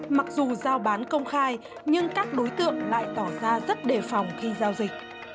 mặc dù giao bán công khai nhưng các đối tượng lại tỏ ra rất đề phòng khi giao dịch